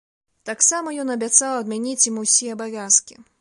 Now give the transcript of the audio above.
Таксама ён абяцаў адмяніць ім усе абавязкі.